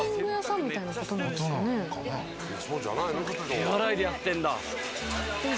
手洗いでやってんだ。